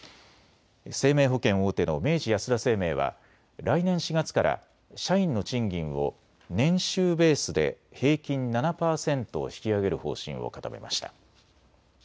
生命保険大手の明治安田生命は来年４月から社員の賃金を年収ベースで平均７％引き上げる方針を固めました。